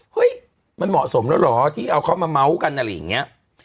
เฮ้ยมันเหมาะสมแล้วเหรอที่เอาเขามาเม้ากันอะไรอย่างนี้